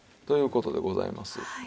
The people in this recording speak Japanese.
という事でございます。